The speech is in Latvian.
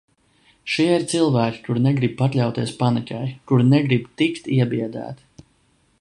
Šie ir cilvēki, kuri negrib pakļauties panikai, kuri negrib tikt iebiedēti.